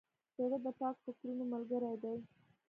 زړه د پاک فکرونو ملګری دی.